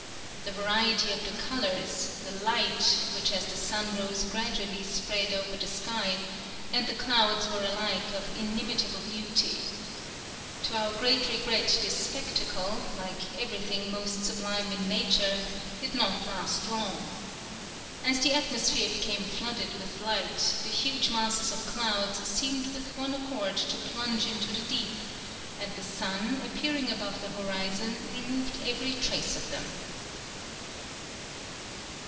The variety of the colours, the light, which as the sun rose gradually spread over the sky, and the clouds were alike of inimitable beauty. To our great regret this spectacle, like everything most sublime in nature, did not last long. As the atmosphere became flooded with light the huge masses of clouds seemed with one accord to plunge into the deep, and the sun, appearing above the horizon, removed every trace of them."